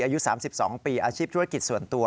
อายุ๓๒ปีอาชีพธุรกิจส่วนตัว